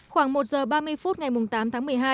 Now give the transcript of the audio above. khoảng một giờ ba mươi phút ngày tám tháng một mươi hai